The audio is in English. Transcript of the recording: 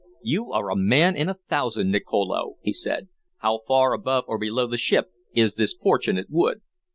"You are a man in a thousand, Nicolo!" he said. "How far above or below the ship is this fortunate wood?"